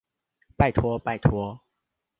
拜託拜託